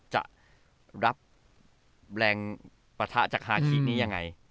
จะรับแรงปะทะจากฮาคินี้ยังไง